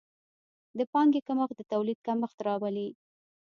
د پانګې کمښت د تولید کمښت راولي.